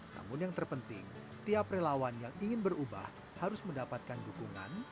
namun yang terpenting tiap relawan yang ingin berubah harus mendapatkan dukungan